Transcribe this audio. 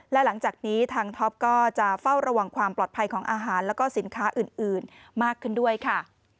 และหลังจากนี้ทางท็อปก็จะเฝ้าระวังความปลอดภัยของอาหารแล้วก็สินค้าอื่นมากขึ้นด้วยค่ะ